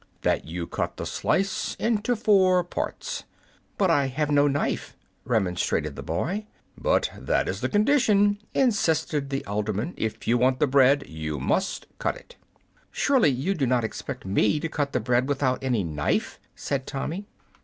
"That you cut the slice into four parts." "But I have no knife!" remonstrated the boy. "But that is the condition," insisted the alderman. "If you want the bread you must cut it." "Surely you do not expect me to cut the bread without any knife!" said Tommy.